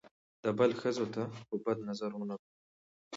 د بل ښځو ته په بد نظر ونه ګوري.